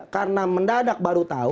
karena mendadak baru tahu